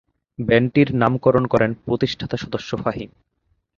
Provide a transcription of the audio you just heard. ব্যান্ডটির নামকরণ করেন প্রতিষ্ঠাতা সদস্য ফাহিম।